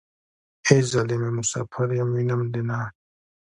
ای ظالمې مسافر يم وينم دې نه.